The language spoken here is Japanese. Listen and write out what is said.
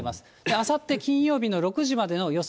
あさって金曜日の６時までの予想